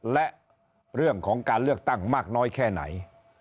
และเรื่องของการเลือกตั้งมากน้อยแค่ไหน